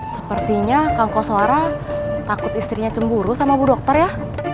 sepertinya kangku suara takut istrinya cemburu sama bu dokter ya